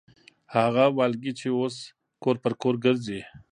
هغه والګي چې اوس کور پر کور ګرځي.